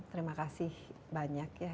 terima kasih banyak ya